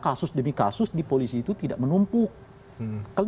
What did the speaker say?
karena kasus demi kasus di polisi itu tidak menumpuk